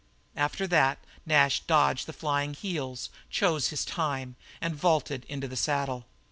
After that Nash dodged the flying heels, chose his time, and vaulted into the saddle.